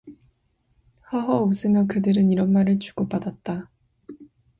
허허 웃으며 그들은 이런 말을 주고받았다.